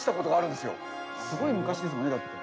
すごい昔ですもんねだって。